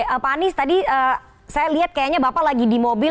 pak anies tadi saya lihat kayaknya bapak lagi di mobil